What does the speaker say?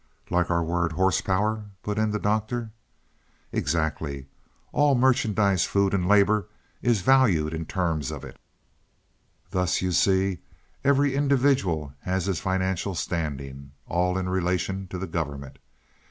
"Like our word horse power?" put in the Doctor. "Exactly. And all merchandise, food and labor is valued in terms of it. "Thus you see, every individual has his financial standing all in relation to the government.